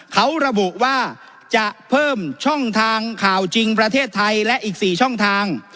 เขาระบุว่าจะเพิ่มช่องทางข่าวจริงประเทศไทยและอีก๔ช่องทาง